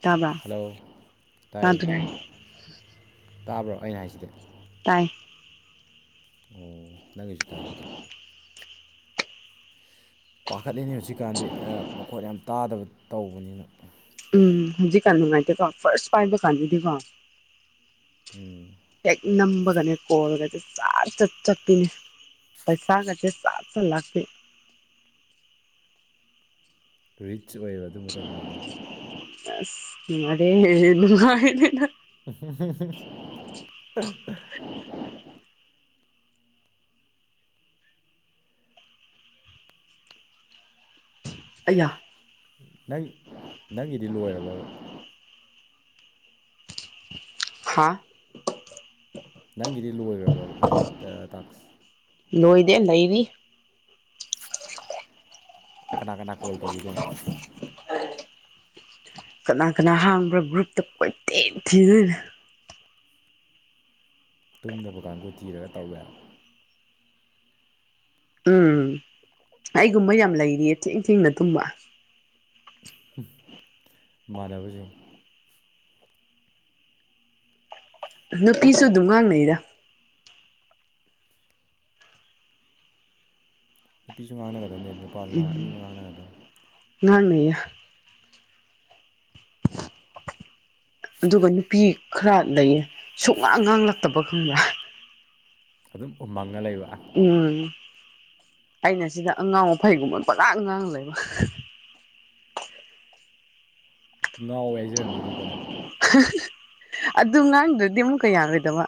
ꯇꯥꯕ꯭ꯔꯥ ꯍꯜꯂꯣ ꯇꯥꯏ ꯇꯥꯗ꯭ꯔꯦ ꯇꯥꯕ꯭ꯔꯣ ꯑꯩꯅ ꯍꯥꯏꯁꯤꯗꯤ ꯇꯥꯏ ꯑꯣ ꯅꯪꯒꯤꯁꯨ ꯇꯥꯏ ꯄꯥꯈꯠꯂꯤꯅꯤ ꯍꯧꯖꯤꯛꯀꯥꯟꯗꯤ ꯃꯈꯣꯠ ꯌꯥꯝ ꯇꯥꯗꯕ ꯇꯧꯕꯅꯤꯅ ꯎꯝ ꯍꯧꯖꯤ ꯀꯥꯟꯅꯨꯡꯉꯥꯏꯇꯦ ꯀꯣ ꯐꯔꯁ ꯄꯥꯏꯗꯨꯀꯥꯟꯗꯗꯤꯀꯣ ꯎꯝ ꯅꯝꯕꯒꯅꯦ ꯀꯣꯜꯂꯒꯗꯤ ꯆꯥ ꯆꯠ ꯆꯠꯄꯤꯅꯦ ꯄꯩꯁꯥꯒ ꯆꯦ ꯆꯇ ꯂꯥꯛꯄꯤ ꯔꯤꯆ ꯑꯣꯏꯌꯦꯕ ꯑꯗꯨ ꯃꯇꯝꯗꯨꯗꯤ ꯂꯥꯏꯉꯁꯨ ꯑꯗꯦ ꯅꯨꯡꯉꯅ ꯑꯦ [inaudible] ꯑꯩꯌꯥ ꯅꯪ ꯅꯪꯒꯤꯗꯤ ꯂꯣꯏꯔꯕ ꯍꯥꯥ ꯅꯪꯒꯤꯗꯤ ꯂꯣꯏꯈ꯭ꯔꯕ ꯍꯥꯏꯗꯤ ꯇꯥꯛꯁ ꯅꯣꯏꯗꯦ ꯅꯩꯔꯤ ꯀꯅꯥ ꯀꯅꯥ ꯀꯣꯜ ꯇꯧꯕꯤꯒꯣꯏꯅꯣ ꯀꯅꯥ ꯀꯅꯥ ꯍꯥꯡꯕ꯭ꯔꯥ ꯒ꯭ꯔꯨꯞꯇ ꯀꯣꯏꯇꯦꯟ ꯊꯤꯗꯣꯏꯅ ꯇꯨꯝꯗꯕ ꯀꯥꯡꯕꯨ ꯊꯤꯔꯒ ꯇꯧꯋꯦꯕ ꯎꯝ ꯑꯩꯒꯨꯝꯕ ꯌꯥꯝ ꯂꯩꯔꯤꯌꯦ ꯊꯦꯡ ꯊꯦꯡꯅ ꯇꯨꯝꯕ ꯃꯂꯅꯕꯁꯤꯡ ꯅꯨꯄꯤꯁꯨ ꯑꯗꯨꯝ ꯉꯥꯡꯅꯩꯗ ꯅꯨꯄꯤꯁꯨ ꯉꯥꯡꯅꯒꯗꯕꯅꯤ ꯅꯨꯄꯥꯁꯨ ꯉꯥꯡ ꯑꯅꯤꯃ ꯉꯥꯡꯅꯒꯗꯕꯅꯤ ꯅꯣꯏꯅꯌꯦꯛ [inaudible] ꯑꯗꯨꯒ ꯅꯨꯄꯤ ꯈꯔ ꯂꯩꯌꯦ ꯁꯨ ꯉꯥꯡ ꯉꯥꯡꯂꯛꯇꯕ ꯈꯪꯕ꯭ꯔꯥ ꯑꯗꯨꯝ ꯎꯃꯪꯉ ꯂꯩꯕ ꯑꯥ ꯎꯝ ꯑꯩꯅ ꯁꯤꯗ ꯑꯉꯥꯡꯕꯩꯒꯨꯝꯕ ꯄꯨꯖꯥ ꯉꯥꯡ ꯂꯩꯕ ꯉꯥꯎꯦ ꯍꯥꯏꯖꯔꯝꯖꯅꯤꯀꯣ ꯅꯪ [inaudible] ꯑꯗꯨ ꯉꯥꯡꯗ꯭ꯔꯗꯤ ꯑꯃꯨꯛ ꯀꯌꯥꯔꯣꯏꯗꯕ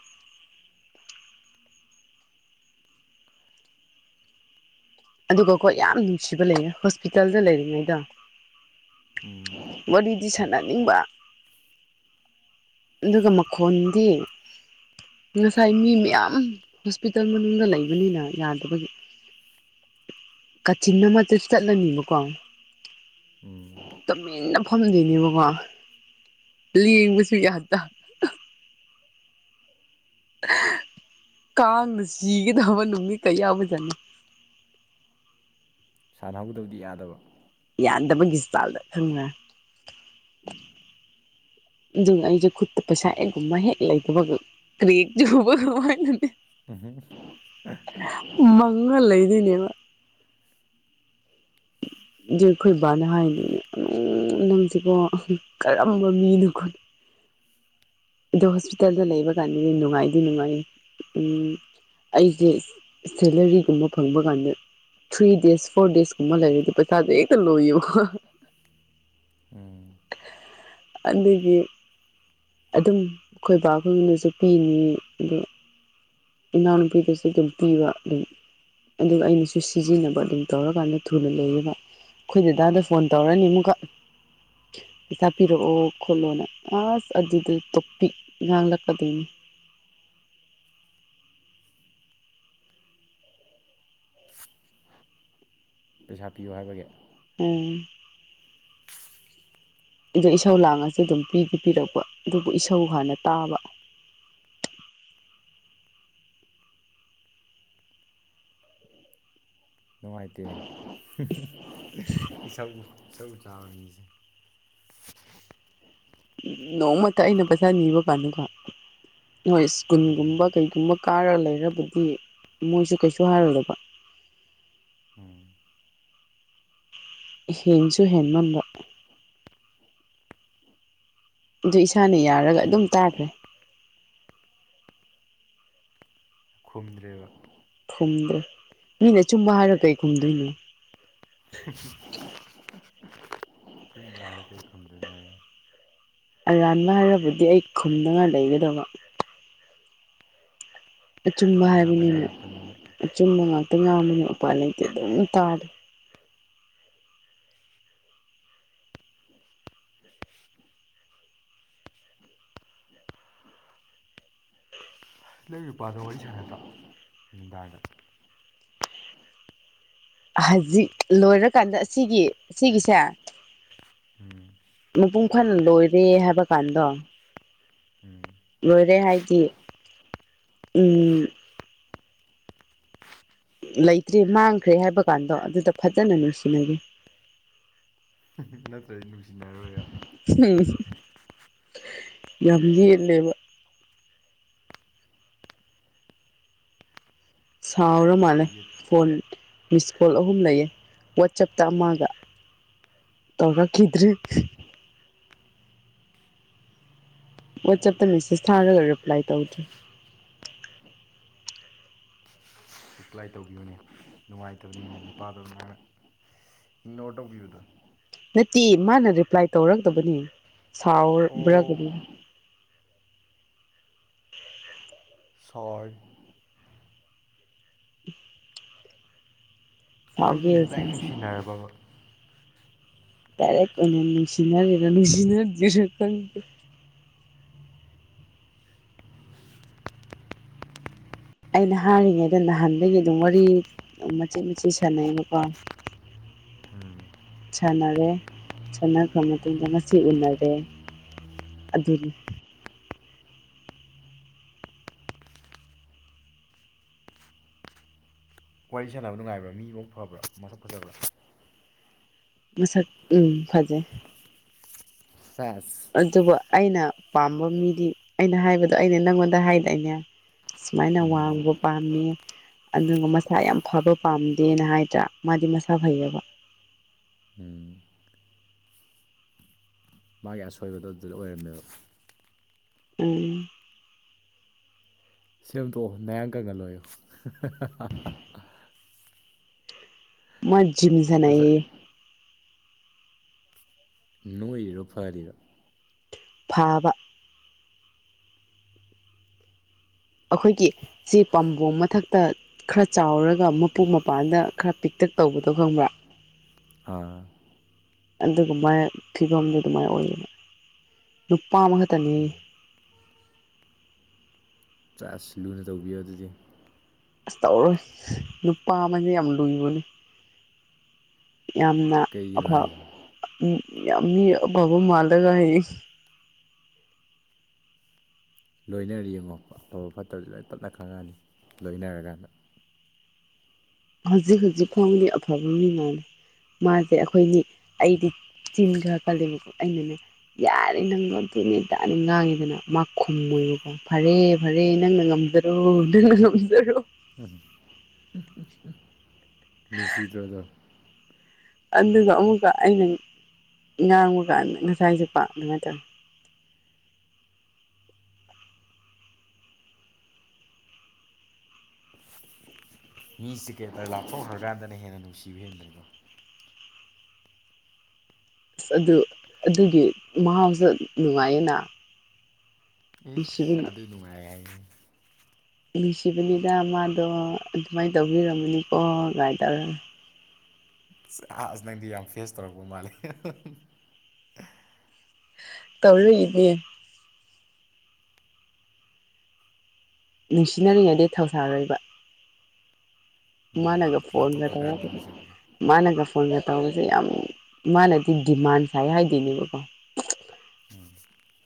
ꯑꯗꯨꯒꯀꯣ ꯌꯥꯝ ꯅꯨꯡꯁꯤꯕ ꯂꯩꯌꯦ ꯍꯣꯁꯄꯤꯇꯥꯜꯗ ꯂꯩꯔꯤꯉꯩꯗ ꯋꯥꯔꯤꯗꯤ ꯁꯥꯟꯅꯅꯤꯡꯕ ꯑꯗꯨꯒ ꯃꯈꯣꯟꯗꯤ ꯉꯁꯥꯏ ꯃꯤ ꯃꯌꯥꯝ ꯍꯣꯁꯄꯤꯇꯥꯜ ꯃꯅꯨꯡꯗ ꯂꯩꯕꯅꯤꯅ ꯌꯥꯗꯕꯒꯤ ꯀꯥꯆꯤꯟ ꯑꯃ ꯆꯠꯂꯅꯤꯕꯀꯣ ꯎꯝ ꯇꯨꯃꯤꯟꯅ ꯐꯝꯗꯣꯏꯅꯦꯕꯀꯣ ꯂꯦꯡꯕꯁꯨ ꯌꯥꯇꯥ ꯀꯥꯡꯅ ꯁꯤꯒꯗꯕ ꯅꯨꯃꯤꯠ ꯀꯌꯥ ꯑꯣꯏ ꯆꯠꯅꯤ ꯁꯥꯟꯅꯍꯧꯗꯕꯗꯤ ꯌꯥꯗꯕ ꯌꯥꯗꯕꯒꯤ ꯏꯁꯇꯥꯜꯗ ꯈꯪꯅꯦ ꯑꯗꯨ ꯑꯩꯁꯦ ꯈꯨꯠꯇ ꯄꯩꯁꯥ ꯍꯦꯛꯒꯨꯝꯕ ꯍꯦꯛ ꯂꯩꯇꯕꯒ ꯔꯔꯤꯖꯕ ꯋꯥ ꯅ [unintelligible] [inaudible] ꯎ [unintelligible] [inaudible] ꯃꯪꯉꯜ ꯂꯩꯗꯣꯏꯅꯦ ꯑꯩꯈꯣꯏꯕꯅ ꯍꯥꯏꯅꯤ ꯅꯪꯁꯤꯕꯣ ꯀꯔꯝꯕ ꯃꯤꯅꯣ ꯈꯣꯠꯅ ꯑꯣ ꯍꯣꯁꯄꯤꯇꯥꯜꯗ ꯂꯩꯕ ꯀꯥꯟꯗꯗꯤ ꯅꯨꯡꯉꯥꯏꯗꯤ ꯅꯨꯡꯉꯥꯏ ꯎꯝ ꯑꯩꯁꯦ ꯁꯦꯂꯔꯤꯒꯨꯝꯕ ꯐꯪꯕ ꯀꯥꯟꯗ ꯊ꯭ꯔꯤ ꯗꯦꯖ ꯐꯣꯔ ꯗꯦꯖꯀꯨꯝꯕ ꯂꯩꯔꯗꯤ ꯄꯩꯁꯥꯁꯨ ꯍꯦꯛꯇ ꯂꯣꯏꯏꯣ ꯑꯗꯨꯗꯒꯤ ꯑꯗꯨꯝ ꯑꯩꯈꯣꯏ ꯕꯥꯈꯣꯏꯅꯁꯨ ꯄꯤꯅꯤ ꯑꯗꯣ ꯏꯅꯥꯎꯅꯨꯄꯤꯗꯁꯨ ꯑꯗꯨꯝ ꯄꯤꯕ ꯑꯗꯨꯝ [inaudible] ꯑꯗꯨꯒ ꯑꯩꯅꯁꯨ ꯁꯤꯖꯤꯟꯅꯕ ꯑꯗꯨꯝ ꯇꯧꯔꯀꯥꯟꯗ ꯊꯨꯅ ꯂꯩꯌꯦ [inaudible] ꯑꯩꯈꯣꯏ ꯗꯦꯗꯥꯗ ꯐꯣꯟ ꯇꯧꯔꯅꯤ ꯑꯃꯨꯛꯀ ꯄꯩꯁꯥ ꯄꯤꯔꯛꯑꯣ ꯈꯣꯠꯂꯣꯅ ꯑꯁ ꯑꯗꯨꯗ ꯇꯣꯄꯤꯛ ꯉꯥꯡꯂꯛꯀꯗꯣꯏꯅꯤ ꯄꯩꯁꯥ ꯄꯤꯌꯣ ꯍꯥꯏꯕꯒꯤ ꯑꯣꯝ ꯑꯗꯨꯣ ꯏꯁꯧ ꯂꯥꯡꯉꯁꯨ ꯑꯗꯨꯝ ꯄꯤꯗꯤ ꯄꯤꯔꯛꯄ ꯑꯗꯨꯕꯨ ꯏꯁꯧ ꯍꯥꯟꯅ ꯇꯥꯕ ꯅꯨꯡꯉꯥꯏꯇꯦꯅꯦ [inaudible] ꯏꯁꯧ ꯏꯁꯧ ꯆꯥꯕ ꯃꯤꯁꯦ ꯅꯣꯡꯃꯇ ꯑꯩꯅ ꯄꯩꯁꯥ ꯅꯤꯕ ꯄꯥꯟꯅꯤꯀꯣ ꯍꯣꯏ ꯁ꯭ꯀꯨꯟꯒꯨꯝꯕ ꯀꯩꯒꯨꯝꯕ ꯀꯥꯔꯒ ꯂꯩꯔꯕꯗꯤ ꯃꯣꯏꯁꯦ ꯀꯩꯁꯨ ꯍꯥꯏꯔꯗꯕ ꯍꯁꯨ [unintelligible] ꯍꯦꯟꯃꯟꯕ ꯑꯗꯨ ꯏꯁꯥꯅ ꯌꯥꯔꯒ ꯆꯤꯜ ꯑꯗꯨꯝ ꯇꯥꯈ꯭ꯔꯦ ꯈꯨꯝꯗ꯭ꯔꯦꯕ ꯈꯨꯝꯗ꯭ꯔꯦ ꯃꯤꯅ ꯆꯨꯝꯕ ꯍꯥꯏꯔ ꯀꯩ ꯈꯨꯝꯗꯣꯏꯅꯣ ꯍ [unintelligible] [inaudible] ꯆꯨꯝꯕ ꯍꯥꯏꯔ ꯀꯩ ꯈꯝꯗꯣꯏꯅꯣꯥꯏ [inaudible] ꯑꯔꯥꯟꯕ ꯍꯥꯏꯔꯕꯗꯤ ꯑꯩ ꯈꯨꯝꯗꯅ ꯂꯩꯒꯗꯕ ꯑꯆꯨꯝꯕ ꯆꯨꯝꯕ ꯉꯥꯛꯇ ꯍꯥꯏꯕꯅꯤꯅ ꯉꯥꯡꯉꯛꯄꯅꯤꯅ ꯑꯆꯨꯝꯕ ꯉꯥꯛꯇ ꯉꯕꯅꯦ ꯎꯄꯥꯏ ꯂꯩꯇꯦ ꯑꯗꯨꯝ ꯇꯥꯗꯦ ꯂꯩ ꯅꯨꯄꯥꯗꯣ ꯋꯥꯔꯤ ꯁꯥꯟꯅꯗ꯭ꯔꯣ ꯌꯅꯨꯡꯗꯥꯡꯔꯗ ꯍꯧꯖꯤꯛ ꯂꯣꯏꯔꯀꯥꯟꯗ ꯑꯁꯤꯒꯤ ꯑꯁꯤꯒꯤꯒꯤꯁꯦ ꯎꯝ [unintelligible] [inaudible] ꯃꯄꯨꯡ ꯐꯜ ꯂꯣꯏꯔꯦ ꯍꯥꯏꯕ ꯀꯥꯟꯗꯣ ꯎꯝ [unintelligible] [inaudible] ꯂꯣꯏꯔꯦ ꯍꯥꯏꯗꯤ ꯎꯝ ꯂꯩꯇ꯭ꯔꯦ ꯃꯥꯡꯈ꯭ꯔꯦ ꯍꯥꯏꯕꯀꯥꯟꯗꯣ ꯑꯗꯨꯗ ꯐꯖꯅ ꯅꯨꯡꯁꯤꯅꯒ ꯅꯠꯇ꯭ꯔꯗꯤ ꯅꯨꯡꯁꯤꯅꯔꯣꯏꯔ ꯌꯥꯝ ꯌꯦꯂꯦꯕ ꯁꯥꯎꯔ ꯃꯥꯂꯦ ꯌꯦꯠ ꯐꯣꯣꯟ ꯃꯤꯁ ꯀꯣꯜ ꯑꯍꯨꯝ ꯂꯩꯌꯦ ꯋꯥꯆꯞꯇ ꯑꯃꯒ ꯇꯧꯔꯛꯈꯤꯗ꯭ꯔꯤ ꯋꯥꯆꯑꯞꯇ ꯃꯦꯁꯦꯖ ꯊꯥꯔꯒ ꯔꯤꯄ꯭ꯂꯥꯏ ꯇꯧꯗ꯭ꯔꯦ ꯔꯤꯄ꯭ꯂꯥꯏ ꯇꯧꯕꯤꯕꯅꯦ ꯅꯨꯡꯉꯥꯏꯇꯕꯅꯤꯅ ꯅꯨꯄꯥꯗꯣ ꯅ ꯏꯪꯅꯣꯔ ꯇꯧꯕꯤꯕꯗꯣ ꯅꯠꯇꯦ ꯃꯥꯅ ꯔꯤꯄ꯭ꯂꯥꯏ ꯇꯧꯔꯛꯇꯕꯅꯤ ꯑꯣ ꯁꯥꯎ꯭ꯔꯒꯗꯤ ꯎ ꯁꯥꯎꯔꯤ [inaudible] ꯁꯥꯎꯒꯦ ꯅꯣꯏꯅꯤꯒꯤꯁꯦ ꯗꯥꯏꯔ‌ꯦꯛ ꯁꯥꯎꯁꯦ ꯅꯨꯡꯁꯤꯅꯔꯕꯕ ꯗꯥꯏꯔ‌ꯦꯛ ꯑꯣꯏꯅ ꯅꯨꯡꯁꯤꯅꯔꯤꯔ ꯅꯨꯡꯁꯤꯅꯗꯔꯤꯔ‌ ꯈꯪ ꯑꯩꯅ ꯍꯥꯏꯔꯤꯉꯩꯗ ꯅꯍꯥꯟꯗꯒꯤ ꯑꯗꯨꯝ ꯋꯥꯔꯤ ꯃꯆꯦꯠ ꯃꯆꯦꯠ ꯁꯥꯟꯅꯩꯑꯦꯕꯀꯣ [unintelligible] [inaudible] ꯁꯥꯟꯅꯔꯦ ꯁꯥꯟꯅꯈ꯭ꯔꯕ ꯃꯇꯨꯡꯗ ꯉꯁꯤ ꯎꯅꯔꯦ ꯑꯗꯨꯅꯤ ꯋꯥꯔꯤ ꯁꯥꯟꯅꯕ ꯅꯨꯡꯉꯥꯏꯕ꯭ꯔꯥ ꯃꯤ ꯃꯕꯨꯛ ꯐꯕ꯭ꯔꯥ ꯃꯁꯛ ꯐꯖꯕ꯭ꯔꯥ ꯃꯁꯛ ꯎꯝ ꯐꯖꯩ ꯁ‌ꯦꯁ ꯑꯗꯨꯕꯨ ꯑꯩꯅ ꯄꯥꯝꯕ ꯃꯤꯗꯤ ꯑꯩꯅ ꯍꯥꯏꯕꯗꯣ ꯑꯩꯅ ꯅꯪꯉꯣꯟꯗ ꯍꯥꯏꯗꯥꯏꯅꯦ ꯁꯨꯃꯥꯏꯅ ꯎꯝ ꯋꯥꯡꯕ ꯄꯥꯝꯃꯦ ꯑꯗꯨꯒ ꯃꯁꯥ ꯌꯥꯝ ꯐꯕ ꯄꯥꯝꯗꯦꯅ ꯍꯥꯏꯗ꯭ꯔꯥ ꯃꯥꯗꯤ ꯃꯁꯥ ꯐꯩꯌ‌ꯦꯕ ꯎꯝ ꯃꯥꯒꯤ ꯑꯁꯣꯏꯕꯗꯣ ꯑꯗꯨꯗ ꯑꯣꯏꯔꯝꯃꯦꯕ ꯎꯝ ꯁꯦꯝꯗꯣꯛꯑꯣ ꯅꯌꯥꯡ ꯀꯪꯍꯜꯂ‌ꯣ ꯍꯥꯏꯌꯣ ꯃꯥ ꯖꯤꯝ ꯅꯁꯛ ꯁꯥꯟꯅꯩꯌꯦ ꯅꯣꯏꯔꯤꯔꯣ ꯐꯔꯤꯔꯣ ꯐꯥꯕ ꯑꯩꯈꯣꯏꯒꯤ ꯁꯤ ꯄꯥꯝꯕꯣꯝ ꯃꯊꯛꯇ ꯈꯔ ꯆꯥꯎꯔꯒ ꯑꯃꯨꯛꯀ ꯃꯄꯥꯟꯗ ꯈꯔ ꯄꯤꯛꯇꯛ ꯇꯧꯕꯗꯣ ꯈꯪꯕ꯭ꯔꯥ ꯑꯥ ꯑꯗꯨꯒꯨ ꯃꯥꯏꯅ ꯐꯤꯕꯝꯗꯨ ꯑꯗꯨꯃꯥꯏꯅ ꯑꯣꯏꯌꯦꯕ ꯅꯨꯄꯥ ꯑꯃꯈꯛꯇꯅ‌ꯦ ꯁ‌ꯦꯖ ꯂꯨꯅ ꯇꯧꯕꯤꯌꯨ ꯑꯗꯨꯗꯤ ꯑꯁ ꯇꯧꯔꯣꯏ ꯅꯨꯄꯥ ꯑꯃꯅ ꯌꯥꯝ ꯂꯨꯕꯅꯤ ꯌꯥꯝꯅ ꯀꯩꯒꯤꯅꯣ ꯑꯐ ꯍꯥꯏꯁꯦ ꯌꯥꯝ ꯃꯤ ꯑꯐꯕ ꯃꯥꯜꯂꯒ ꯍꯌꯦꯡ ꯂꯣꯏꯅꯔ ꯌꯦꯡꯉꯣ ꯑꯐꯕ ꯐꯠꯇꯕꯁꯨ ꯂꯣꯏꯅ ꯇꯞꯅ ꯈꯪꯉꯛꯑꯅꯤ ꯂꯣꯏꯅꯔꯀꯥꯟꯗ ꯍꯧꯖꯤꯛ ꯍꯧꯖꯤꯛ ꯐꯥꯎꯗꯤ ꯑꯐꯕ ꯃꯤ ꯉꯥꯜꯂ‌ꯦ ꯃꯥꯁꯦ ꯑꯩꯈꯣꯏꯒꯤ ꯑꯩꯗꯤ ꯆꯤꯟ ꯈꯔ ꯀꯜꯂꯦꯕꯀꯣ ꯑꯩꯅꯅꯦ ꯌꯥꯔꯦ ꯅꯪ ꯑꯗꯨꯅꯤ ꯑꯗꯥꯅꯤ ꯉꯥꯡꯉ‌ꯦꯗꯅ ꯃꯥ ꯈꯨꯝꯃ‌ꯣꯏꯕꯀꯣ ꯐꯔꯦ ꯐꯔꯦ ꯅꯪꯅ ꯉꯝꯖꯔꯣ ꯅꯪꯅ ꯉꯝꯖꯔꯣ [unintelligible] ꯅꯨꯡꯁꯤꯗ꯭ꯔ‌ꯣ ꯑꯗ‌ꯣ ꯑꯗꯨꯒ ꯑꯃꯨꯛꯀ ꯑꯩꯅ ꯉꯥꯡꯕ ꯀꯥꯟꯗ ꯉꯁꯥꯏꯁꯨꯀ‌ꯣ ꯑꯗꯨꯃꯥꯏꯅ ꯇꯧꯔ ꯃꯤꯁꯦ ꯀꯩ ꯍꯥꯏꯇꯥꯔ‌ꯦ ꯂꯥꯞꯊꯣꯛꯈ꯭ꯔ ꯀꯥꯟꯗꯅ ꯍꯦꯟꯅ ꯅꯨꯡꯁꯤꯕ ꯍꯦꯟꯕꯅꯤꯀꯣ ꯑꯁ ꯑꯗꯨ ꯑꯗꯨꯒꯤ ꯃꯍꯥꯎꯁꯨ ꯅꯨꯡꯉꯥꯏꯌꯦꯅ ꯅꯨꯡꯁꯤꯕ ꯏꯁ ꯑꯗꯨ ꯅꯨꯡꯉꯥꯏ ꯍꯥꯏꯌ‌ꯦ ꯅꯨꯡꯁꯤꯕꯅꯤꯗ ꯃꯥꯗꯣ ꯑꯗꯨꯃꯥꯏꯅ ꯇꯧꯕꯤꯔꯝꯕꯅꯤꯀꯣ ꯒꯥꯏ ꯇꯧꯔ ꯑꯁ ꯅꯪꯗꯤ ꯌꯥꯝ ꯐꯦꯁ ꯇꯧꯔꯛꯄ ꯃꯥꯜꯂꯦ ꯇꯧꯔꯛꯏꯅ‌ꯦ ꯅꯨꯡꯁꯤꯅꯔꯤꯉꯩꯗꯗꯤ ꯊꯧꯁꯥꯔꯣꯏꯕ ꯃꯥꯅꯒ ꯎꯝ ꯐꯣꯟꯒ ꯂꯥꯞꯊꯣꯛꯈ꯭ꯔꯀꯥꯟꯗ ꯇꯧꯔꯛꯄꯗꯣ ꯅꯨꯡꯁꯤꯔꯛꯄꯗꯣ ꯃꯥꯅꯒ ꯐꯣꯟꯒ ꯇꯧꯕꯁꯦ ꯌꯥꯝ ꯃꯥꯅꯗꯤ ꯗꯤꯃꯥꯟ ꯁꯥꯏ ꯍꯥꯏꯗꯣꯏꯅꯦꯕꯀꯣ ꯎꯝ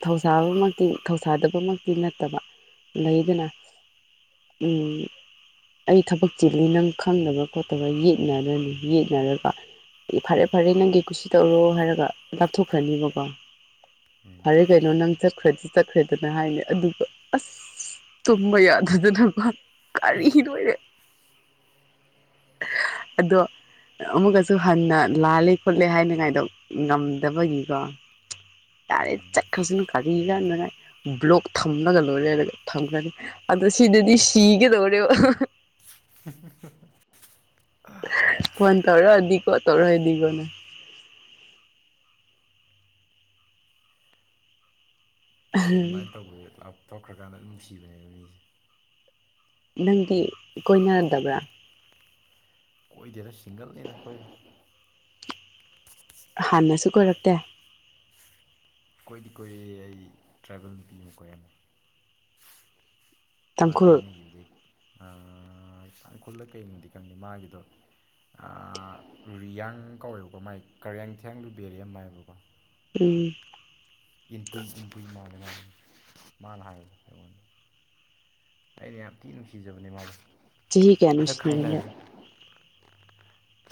ꯊꯧꯁꯥꯕꯃꯛꯇꯤ ꯊꯧꯁꯥꯗꯕꯃꯛꯇꯤ ꯅꯠꯇꯕ ꯂꯩꯗꯅ ꯎꯝ ꯑꯩ ꯊꯕꯛ ꯆꯤꯜꯂꯤ ꯅꯪ ꯈꯪꯗꯕꯔ ꯈꯣꯠꯇꯕꯔꯅ ꯌꯦꯠꯅꯔꯒ ꯌꯦꯠꯅꯔꯒ ꯐꯔꯦ ꯐꯔꯦ ꯅꯪꯒꯤ ꯀꯨꯁꯤ ꯇꯧꯔꯣ ꯍꯥꯏꯔꯒ ꯂꯥꯞꯊꯣꯛꯈ꯭ꯔꯅꯦꯕꯀꯣ ꯐꯔꯦ ꯀꯩꯅꯣ ꯅꯪ ꯆꯠꯈ꯭ꯔꯗꯤ ꯆꯠꯈ꯭ꯔꯦꯗꯅ ꯍꯥꯏꯅꯤ ꯑꯗꯨ ꯑꯁ ꯇꯨꯝꯕ ꯌꯥ ꯑꯗꯨꯗꯅ ꯀꯔꯤ ꯂꯣꯏꯔꯦ ꯑꯗꯣ ꯑꯃꯨꯛꯀꯁꯨ ꯍꯟꯅ ꯂꯥꯜꯂꯦ ꯈꯣꯠꯂꯦ ꯍꯥꯏꯅꯉꯥꯏꯗ ꯉꯝꯗꯕꯒꯤꯀꯣ ꯎꯝ ꯆꯠꯈ꯭ꯔꯁꯤꯅ ꯀꯥꯔꯤ ꯀꯅꯉꯥꯏ ꯕ꯭ꯂꯣꯛ ꯊꯝꯂꯒ ꯂꯣꯏꯔꯦꯔ ꯊꯝꯈ꯭ꯔꯒ ꯑꯗ ꯁꯤꯗꯗꯤ ꯁꯤꯒ ꯇꯧꯔꯣ [unintelligible] ꯐꯣꯟ ꯇꯧꯔꯛꯗꯤꯀꯣ ꯇꯧꯔꯛꯗꯤꯀꯣ ꯍꯥꯏꯅ ꯑꯗꯨꯃꯥꯏꯅ ꯇꯧꯕꯁꯦ ꯂꯞꯊꯣꯛꯈ꯭ꯔꯀꯥꯟꯗ ꯅꯨꯡꯁꯤꯕꯅꯦꯕ ꯃꯤꯁꯦ ꯅꯪꯗꯤ ꯀꯣꯏꯅꯗꯕ꯭ꯔꯥ ꯀꯣꯏꯗꯤꯗ ꯁꯤꯡꯒꯜꯅꯤꯗ ꯈꯣꯏ ꯍꯥꯟꯅꯁꯨ ꯀꯣꯏꯔꯛꯇꯦ ꯀꯣꯏꯗꯤ ꯀꯣꯏꯔꯛꯑꯦ ꯑꯩ ꯇ꯭ꯔꯥꯏꯕꯦꯜ ꯅꯨꯄꯤ ꯑꯃ ꯀꯣꯏꯔꯝꯃꯦ ꯃꯥ ꯇꯥꯡꯈꯨꯜ ꯀꯥꯏꯅꯈꯤꯕꯗꯒꯤ ꯑ-ꯑ ꯇꯥꯡꯈꯨꯜꯂ ꯀꯩꯅꯣꯗꯤ ꯈꯪꯗꯦ ꯃꯥꯒꯤꯗꯣ ꯑ ꯔꯤꯌꯥꯡ ꯀꯧꯋꯦꯕꯀꯣ ꯃꯥꯏ ꯀꯔꯦꯡꯊꯦꯡ ꯂꯨꯕꯦꯔꯤꯝ ꯍꯥꯏꯕꯀꯣ ꯎꯝ ꯏꯟꯄꯨꯏ ꯏꯟꯄꯨꯏ ꯃꯥꯜꯂꯦ ꯃꯥꯅ ꯍꯥꯏ ꯑꯩꯉꯣꯟꯗ ꯑꯩꯅ ꯌꯥꯝ ꯊꯤ ꯅꯨꯡꯁꯤꯖꯕꯅꯦ ꯃꯥꯗꯣ ꯆꯍꯤ ꯀꯌꯥ ꯍꯟꯗꯛ ꯅꯨꯡꯁꯤꯅꯔꯒꯦ ꯈꯥꯏꯅꯒꯔꯦ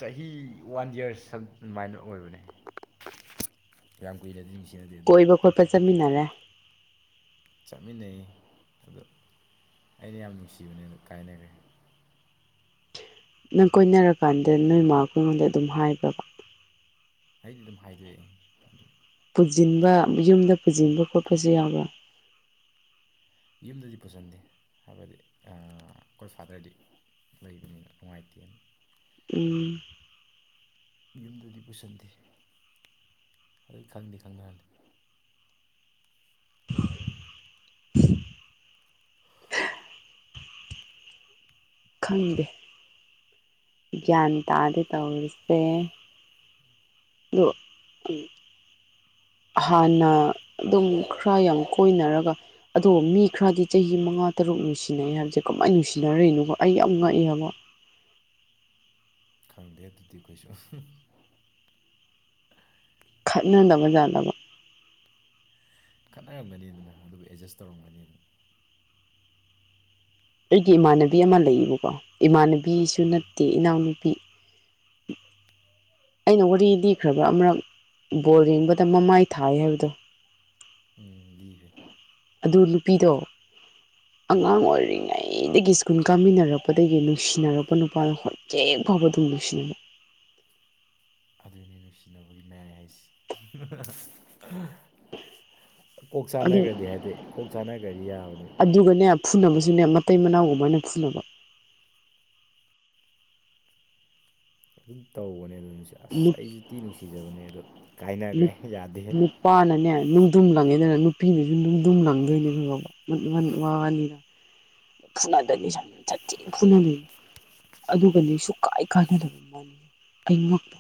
ꯆꯍꯤ ꯋꯥꯟ ꯌꯔ ꯁꯝ ꯑꯗꯨꯃꯥꯏꯅ ꯑꯣꯏꯕꯅꯦ ꯌꯥꯝ ꯀꯨꯏꯅꯗꯤ ꯅꯨꯡꯁꯤꯅꯗꯦ ꯑꯗꯨꯕꯨ ꯀꯣꯏꯕ ꯈꯣꯠꯄ ꯆꯠꯃꯤꯟꯅꯔꯦ ꯆꯠꯃꯤꯟꯅꯩ ꯑꯗꯣ ꯑꯩꯅ ꯌꯥꯝ ꯅꯨꯡꯁꯤꯕꯅꯦ ꯑꯗꯣ ꯀꯥꯏꯅꯈ꯭ꯔꯦ ꯅꯪ ꯀꯣꯏꯅꯔ ꯀꯥꯟꯗ ꯅꯣꯏꯃ ꯈꯣꯏꯗꯥ ꯑꯗꯨꯝ ꯍꯥꯏꯕ꯭ꯔꯕ ꯑꯩꯗꯤ ꯑꯗꯨꯝ ꯍꯥꯏꯗꯣꯛꯑꯦ ꯄꯨꯁꯤꯟꯕ ꯌꯨꯝꯗ ꯄꯨꯁꯤꯟꯕ ꯈꯣꯠꯄꯁꯨ ꯌꯥꯎꯕꯔ ꯌꯨꯝꯗꯗꯤ ꯄꯨꯁꯤꯟꯗꯦ ꯍꯥꯏꯕꯗꯤ ꯑꯩꯈꯣꯏ ꯐꯥꯗꯔꯗꯤ ꯂꯩꯕꯅꯤ ꯅꯨꯡꯉꯥꯏꯇꯦꯅ ꯎꯝ ꯌꯨꯝꯗꯨꯗꯤ ꯄꯨꯁꯤꯟꯗꯦ ꯑꯗꯨ ꯈꯪꯗꯤ ꯈꯪꯅꯍꯜꯂꯦ ꯈꯪꯗꯦ ꯒ꯭ꯌꯥꯟ ꯇꯥꯗꯦ ꯇꯧꯔꯤꯁꯦ ꯑꯗꯨ ꯍꯥꯟꯅ ꯑꯗꯨꯝ ꯈꯔ ꯌꯥꯝ ꯀꯣꯏꯅꯔꯒ ꯑꯗꯣ ꯃꯤ ꯈꯔꯗꯤ ꯆꯍꯤ ꯃꯉꯥ ꯇꯔꯨꯛ ꯅꯨꯡꯁꯤꯅꯩ ꯍꯥꯏꯕꯁꯦ ꯀꯃꯥꯏ ꯅꯨꯡꯁꯤꯅꯔꯤꯅꯣꯕ ꯑꯩ ꯌꯥꯝ ꯉꯛꯑꯦ ꯍꯥꯏꯕ ꯈꯪꯗꯦ ꯑꯗꯨꯗꯤ ꯑꯩꯈꯣꯏꯁꯨ ꯈꯠꯅꯅꯅꯕ ꯌꯥꯠꯂꯅꯕ ꯈꯠꯅꯔꯝꯒꯅꯤꯗꯅ ꯑꯗꯨꯕꯨ ꯑꯦꯗꯖꯁ ꯇꯧꯔꯝꯒꯅꯤ ꯑꯗꯨꯝ ꯑꯩꯒꯤ ꯏꯃꯥꯟꯅꯕꯤ ꯑꯃ ꯂꯩꯌꯦꯕꯀꯣ ꯏꯃꯥꯟꯅꯕꯤꯁꯨ ꯅꯠꯇꯦ ꯏꯅꯥꯎꯅꯨꯄꯤ ꯑꯩꯅ ꯋꯥꯔꯤ ꯂꯤꯈ꯭ꯔꯕ꯭ꯔꯥ ꯑꯃꯔꯛ ꯕꯣꯜ ꯌꯦꯡꯕꯗ ꯃꯃꯥꯏ ꯊꯥꯏ ꯍꯥꯏꯕꯗꯣ ꯎꯝ ꯂꯤꯈ꯭ꯔꯦ ꯑꯗꯨ ꯅꯨꯄꯤꯗꯣ ꯑꯥ ꯑꯉꯥꯡ ꯑꯣꯏꯔꯤꯉꯩ ꯑꯩꯗꯒꯤ ꯁ꯭ꯀꯨꯜ ꯀꯥꯃꯤꯟꯅꯔꯛꯄꯗꯒꯤ ꯅꯨꯡꯁꯤꯅꯔꯛꯄ ꯅꯨꯄꯥꯗꯣ ꯍꯧꯖꯤꯛ ꯐꯥꯎꯕ ꯑꯗꯨꯝ ꯅꯨꯡꯁꯤꯅꯩ ꯑꯗꯨꯅꯤ ꯅꯨꯡꯁꯤꯅꯕꯒꯤ ꯃꯌꯥꯏ ꯍꯥꯏꯁꯦ ꯀꯣꯛ ꯑꯗꯨ ꯆꯥꯅꯒꯔꯗꯤ ꯍꯥꯏꯗꯤ ꯀꯣꯛ ꯆꯥꯅꯒꯔꯗꯤ ꯌꯥꯕꯅꯤ ꯑꯗꯨꯒꯅꯦ ꯐꯨꯅꯕꯁꯨꯅꯦ ꯃꯇꯩ ꯃꯅꯥꯎꯒꯨꯝꯃꯥꯏꯅ ꯐꯨꯅꯕ ꯑꯗꯨꯝ ꯇꯧꯕꯅꯦ ꯑꯗꯨ ꯅꯨꯡꯁꯤ ꯑꯁ ꯑꯩꯁꯨꯇꯤ ꯅꯨꯡꯁꯤꯖꯕꯅꯦ ꯑꯗꯣ ꯀꯥꯏꯅꯒ꯭ꯔꯦ ꯌꯥꯗꯦꯍꯦ ꯅꯨꯄꯥꯅꯅꯦ ꯅꯨꯡꯗꯨꯝ ꯂꯪꯉꯦꯗꯅ ꯅꯨꯄꯤꯅꯖꯨ ꯅꯨꯡꯗꯨꯝ ꯂꯪꯗꯣꯏꯅꯦ ꯈꯪꯉꯕ ꯋꯥꯅꯤꯅ ꯐꯨꯅꯥꯗꯅꯤ ꯁ ꯁꯥꯊꯤ ꯐꯨꯅ ꯅꯤ ꯑꯗꯨꯒ ꯅꯦ ꯁꯨ ꯀꯥꯏ ꯀꯥꯏꯅꯗꯕ ꯋꯥꯅꯤ ꯑꯩ ꯉꯛꯄ